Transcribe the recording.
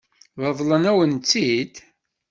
Ṛeḍlen-awen-tt-id?